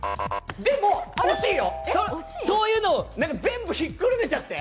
でも惜しいよ、そういうのを全部ひっくるめちゃって。